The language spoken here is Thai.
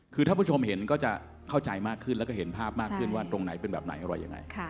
คือถ้าผู้ชมเห็นก็จะเข้าใจมากขึ้นแล้วก็เห็นภาพมากขึ้นว่าตรงไหนเป็นแบบไหนอะไรยังไง